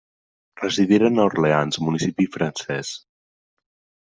Residiren a Orleans, municipi francès.